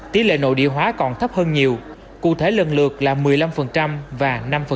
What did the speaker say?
tỷ lệ nội địa hóa còn thấp hơn nhiều cụ thể lần lượt là một mươi năm và năm